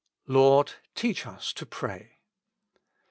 "Lord, teach us to pray."